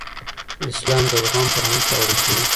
اسلام د زغم فرهنګ پیاوړی کوي.